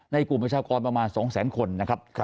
กลุ่มประชากรประมาณ๒แสนคนนะครับ